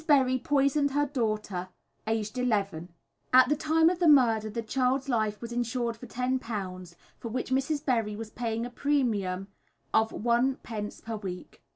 Berry poisoned her daughter, aged 11. At the time of the murder the child's life was insured for £10, for which Mrs. Berry was paying a premium of 1d. per week.